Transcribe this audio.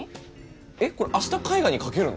えっこれ明日絵画にかけるの？